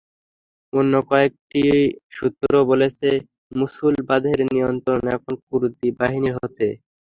অন্য কয়েকটি সূত্রও বলছে, মসুল বাঁধের নিয়ন্ত্রণ এখন কুর্দি বাহিনীর হাতে।